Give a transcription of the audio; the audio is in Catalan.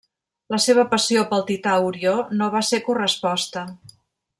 La seva passió pel tità Orió no va ser corresposta.